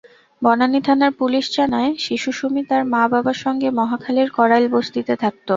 বনানী থানার পুলিশ জানায়, শিশু সুমি তার মা-বাবার সঙ্গে মহাখালীর কড়াইল বস্তিতে থাকত।